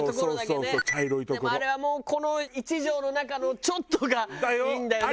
でもあれはもうこの１畳の中のちょっとがいいんだよね。